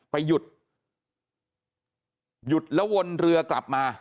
ไปหยุดหยุดแล้ววนเรือกลับมา